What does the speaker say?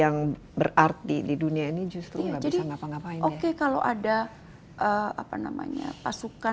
negara yang menjali kesejahan gitu ya